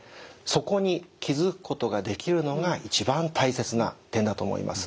そこに気づくことができるのが一番大切な点だと思います。